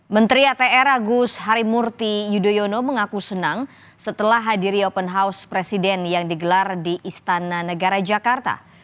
menteri atr agus harimurti yudhoyono mengaku senang setelah hadiri open house presiden yang digelar di istana negara jakarta